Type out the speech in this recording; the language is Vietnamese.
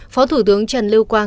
phó thủ tướng trần lưu quang